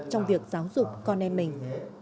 trong việc giáo dục con em mình